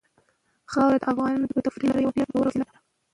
خاوره د افغانانو د تفریح لپاره یوه ډېره ګټوره وسیله ده.